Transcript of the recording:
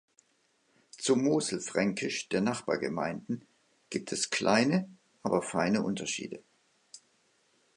Zum Moselfränkisch der Nachbargemeinden gibt es kleine aber feine Unterschiede.